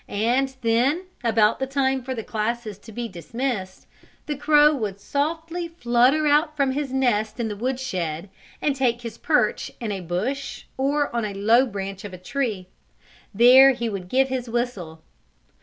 And then, about time for the classes to be dismissed, the crow would softly flutter out from his nest in the woodshed and take his perch in a bush, or on a low branch of a tree. There he would give his whistle.